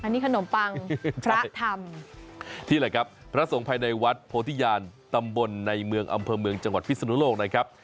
อันนี้ขนมปังพระธรรมที่อะไรครับพระสงฆ์ภายในวัดโพธิญาณตำบลในเมืองอำเภอเมืองจังหวัดพิศนุโลกนะครับ